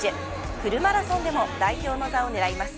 フルマラソンでも代表の座を狙います。